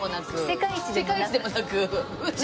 世界一でもなく。